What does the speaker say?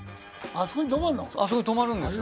あそこに泊まるんですよ。